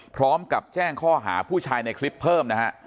พร้อมกับแจ้งข้อหาผู้ชายในคลิปเพิ่มนะฮะ